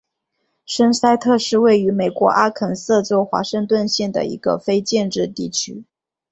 森塞特是位于美国阿肯色州华盛顿县的一个非建制地区。